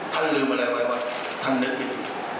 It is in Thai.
ท่านลืมอะไรไว้ท่านนึกอยู่